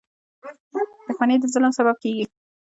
• دښمني د ظلم سبب کېږي.